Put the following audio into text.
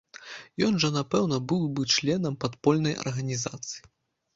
Ён жа напэўна быў бы членам падпольнай арганізацыі.